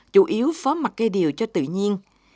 chủ yếu phó mặt cây điều cho tự nhiên